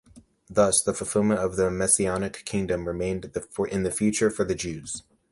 Thus, the fulfillment of the Messianic kingdom remained in the future for the Jews.